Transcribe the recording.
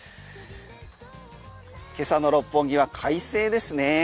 今朝の六本木は快晴ですね。